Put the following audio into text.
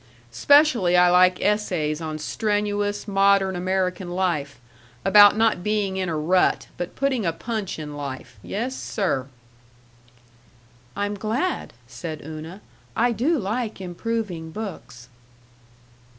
'Specially I like essays on strenuous, modern American life, about not being in a rut, but putting a punch in life. Yes, sir!" "I'm glad," said Una. "I do like improving books."